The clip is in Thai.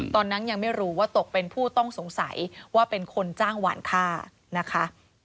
ตอนนั้นยังไม่รู้ว่าตกเป็นผู้ต้องสงสัยว่าเป็นคนจ้างหวานฆ่านะคะ